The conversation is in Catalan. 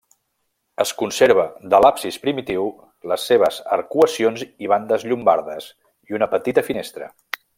Es conserva de l'absis primitiu les seves arcuacions i bandes llombardes i una petita finestra.